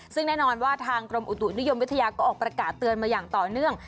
ซึ่งแน่นอนว่าทางกรมอุตุนิยมวิทยาก็ออกประกาศเตือนมาอย่างต่อเนื่อง